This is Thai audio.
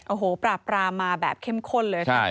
โอ้โหปราบปรามมาแบบเข้มข้นเลยค่ะ